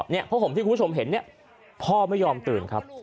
เนี่ยผ้าผมที่คุณผู้ชมเห็นเนี่ยพ่อไม่ยอมตื่นครับ